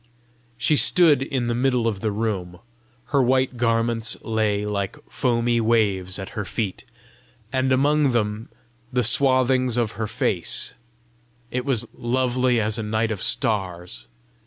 She stood in the middle of the room; her white garments lay like foamy waves at her feet, and among them the swathings of her face: it was lovely as a night of stars.